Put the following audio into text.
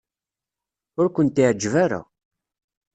Ur kent-iɛejjeb ara.